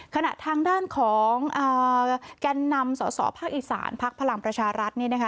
ขณะทางด้านของแก่นนำสสภาคอีสานพักพลังประชารัฐนี่นะคะ